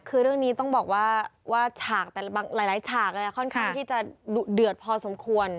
คือเรื่องนี้ต้องบอกว่าละไม่อย่างไรแต่บางหลายฉากนะค่อนข้างที่จะเดือดพอสมควร